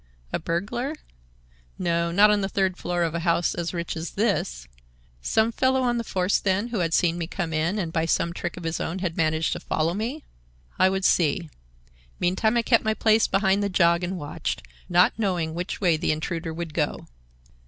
A burglar? No, not on the third floor of a house as rich as this. Some fellow on the force, then, who had seen me come in and, by some trick of his own, had managed to follow me? I would see. Meantime I kept my place behind the jog and watched, not knowing which way the intruder would go.